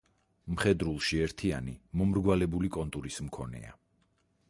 მხედრულში ერთიანი, მომრგვალებული კონტურის მქონეა.